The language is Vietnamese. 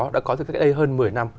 đã có thực tế hơn một mươi năm